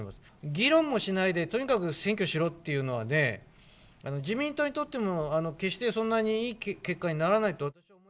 議論もしないで、とにかく選挙しろっていうのはね、自民党にとっても、決してそんなにいい結果にならないと。